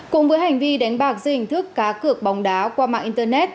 cùng với hành vi đánh bạc dưới hình thức cá cược bóng đá qua mạng internet